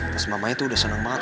pas mamanya tuh udah seneng banget